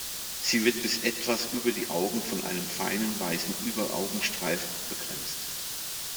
Sie wird bis etwas über die Augen von einem feinen, weißen Überaugenstreif begrenzt.